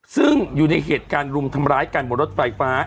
ซึ่งอยู่ในเหตุการณ์รุมทำร้ายกันบนรถไฟฟ้า